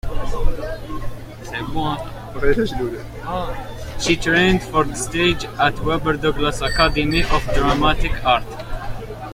She trained for the stage at Webber Douglas Academy of Dramatic Art.